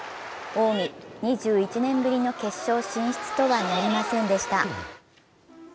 近江、２１年ぶりの決勝進出とはなりませんでした。